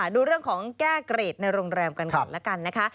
ดูเรื่องของแก้เกรดในโรงแรมกันก่อนละกันนะคะ